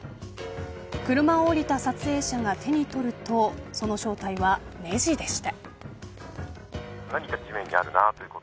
車を降りた撮影者が手に取るとその正体は、ねじでした。